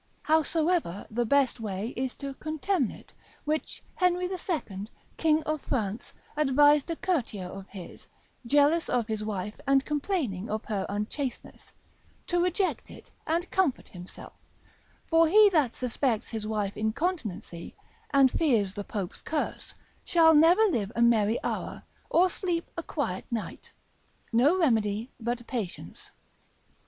Howsoever the best way is to contemn it, which Henry II. king of France advised a courtier of his, jealous of his wife, and complaining of her unchasteness, to reject it, and comfort himself; for he that suspects his wife's incontinency, and fears the Pope's curse, shall never live a merry hour, or sleep a quiet night: no remedy but patience.